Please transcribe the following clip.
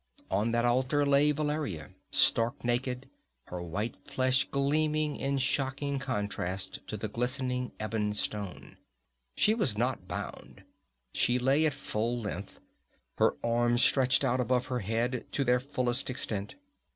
On that altar lay Valeria, stark naked, her white flesh gleaming in shocking contrast to the glistening ebon stone. She was not bound. She lay at full length, her arms stretched out above her head to their fullest extent.